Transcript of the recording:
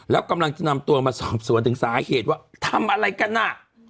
แล้วกำลังจะนำตัวมาสอบสวนถึงสาเหตุว่าทำอะไรกันอ่ะ